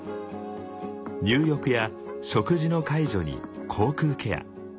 入浴や食事の介助に口腔ケア。